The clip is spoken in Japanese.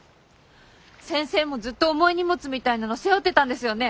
先生もずっと重い荷物みたいなの背負ってたんですよね？